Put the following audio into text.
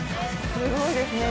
すごいですね